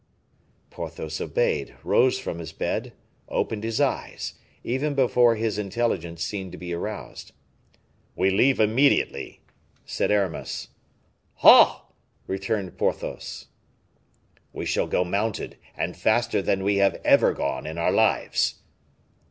Porthos obeyed, rose from his bed, opened his eyes, even before his intelligence seemed to be aroused. "We leave immediately," said Aramis. "Ah!" returned Porthos. "We shall go mounted, and faster than we have ever gone in our lives."